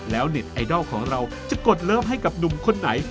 แล้วเน็ตไอดอลของเราจะกดเลิฟให้กับหนุ่มคนไหน